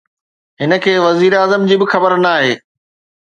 هن کي وزير اعظم جي به خبر ناهي